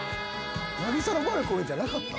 『渚のバルコニー』じゃなかった？